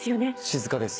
静かですね。